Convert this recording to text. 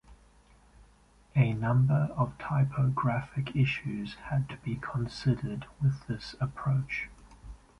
A number of typographic issues had to be considered with this approach.